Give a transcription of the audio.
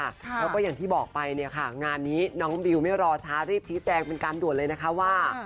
แล้วก็อย่างที่บอกไปเนี่ยค่ะงานนี้น้องบิวไม่รอช้ารีบชี้แจงเป็นการด่วนเลยนะคะว่า